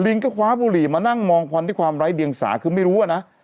ก็คว้าบุหรี่มานั่งมองควันที่ความไร้เดียงสาคือไม่รู้อ่ะนะ